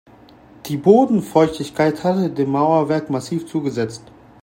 Die Bodenfeuchtigkeit hatte dem Mauerwerk massiv zugesetzt.